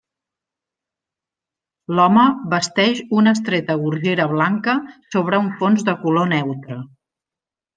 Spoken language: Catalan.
L'home vesteix una estreta gorgera blanca sobre un fons de color neutre.